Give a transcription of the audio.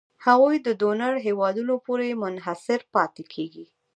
هغوی د ډونر هېوادونو پورې منحصر پاتې کیږي.